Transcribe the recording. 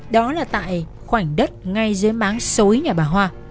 đó là tại khoảnh đất ngay dưới máng xối nhà bà hoa